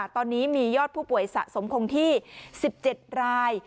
ตอนนี้มียอดผู้ป่วยสะสมคงที่๑๗ราย